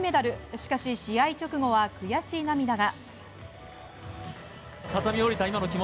しかし、試合直後は悔しい涙が。